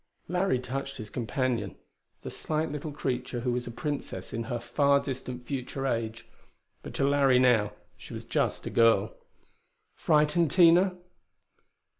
Larry touched his companion the slight little creature who was a Princess in her far distant future age. But to Larry now she was just a girl. "Frightened, Tina?"